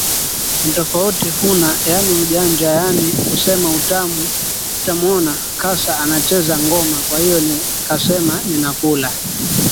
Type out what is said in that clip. Ni tofauti huna yani ujanja yani kusema utamuona kasa anacheza ngoma Kwahiyo nikasema ninakula